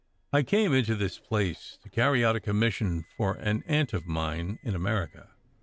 "I came into this place to carry out a commission for an aunt of mine in America.